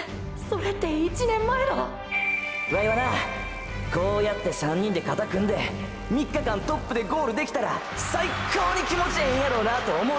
それって１年前のーーワイはなこうやって３人で肩組んで３日間トップでゴールできたら最っ高にキモチエエんやろうなと思うとるんや！